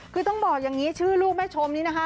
คือต้องบอกอย่างนี้ชื่อลูกแม่ชมนี้นะคะ